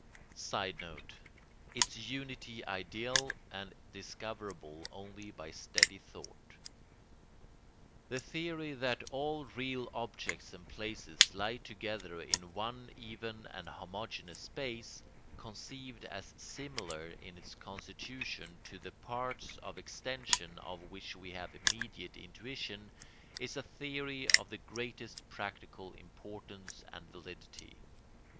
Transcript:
[Sidenote: Its unity ideal and discoverable only by steady thought.] The theory that all real objects and places lie together in one even and homogeneous space, conceived as similar in its constitution to the parts of extension of which we have immediate intuition, is a theory of the greatest practical importance and validity.